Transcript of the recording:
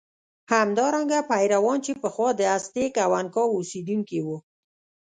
همدارنګه پیرویان چې پخوا د ازتېک او انکا اوسېدونکي وو.